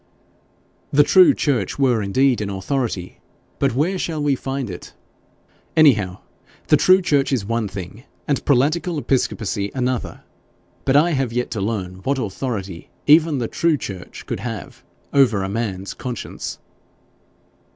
'The true church were indeed an authority, but where shall we find it? Anyhow, the true church is one thing, and prelatical episcopacy another. But I have yet to learn what authority even the true church could have over a man's conscience.'